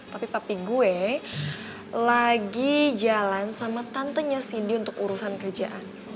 tapi papi gue lagi jalan sama tantenya cindy untuk urusan kerjaan